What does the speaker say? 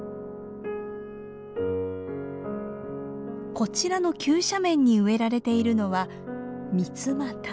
こちらの急斜面に植えられているのはミツマタ。